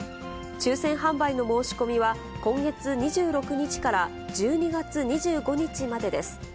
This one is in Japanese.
抽せん販売の申し込みは、今月２６日から１２月２５日までです。